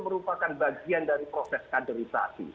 merupakan bagian dari proses kaderisasi